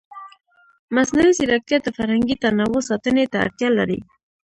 مصنوعي ځیرکتیا د فرهنګي تنوع ساتنې ته اړتیا لري.